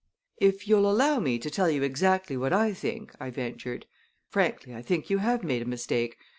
"If you'll allow me to tell you exactly what I think," I ventured, "frankly I think you have made a mistake.